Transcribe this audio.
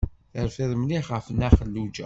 Terfiḍ mliḥ ɣef Nna Xelluǧa.